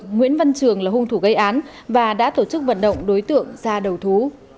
nguyễn văn trường là hung thủ gây án và đã tổ chức vận động đối tượng ra đầu thú